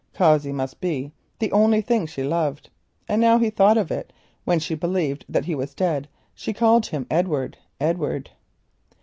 Cossey must be the "only thing she loved," and now he thought of it, when she believed that he was dead she called him "Edward, Edward."